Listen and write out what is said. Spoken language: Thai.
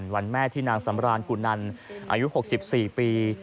วันแม่ที่นางสำรานกุนันอายุ๖๔ปี